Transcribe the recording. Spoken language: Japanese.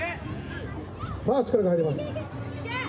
さぁ力が入ります。